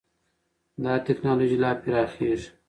دا ټېکنالوژي لا پراخېږي.